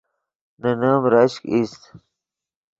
نے نیم رشک ایست